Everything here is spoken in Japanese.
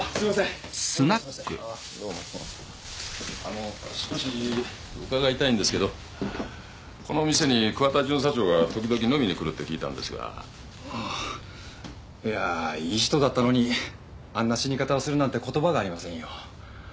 お待たせしましてああどうもあの少し伺いたいんですけどこの店に桑田巡査長が時々飲みに来るって聞いたんですがいやいい人だったのにあんな死に方をするなんて言葉がありませんよ